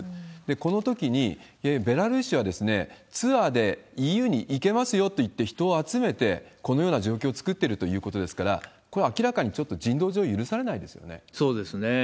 このときに、いわゆるベラルーシはツアーでＥＵに行けますよといって人を集めて、このような状況を作ってるということですから、これは明らかにちょっと人道上、そうですね。